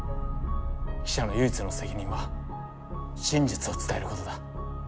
記者の唯一の責任は真実を伝えることだ。